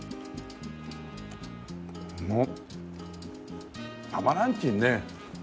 もうたまらんちんね。